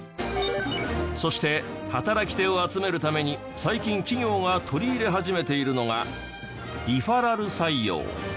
そして働き手を集めるために最近企業が取り入れ始めているのがリファラル採用。